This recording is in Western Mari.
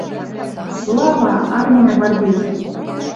Слава, арминӓ гвардейский!